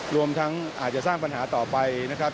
รวมทั้งอาจจะสร้างปัญหาต่อไปนะครับ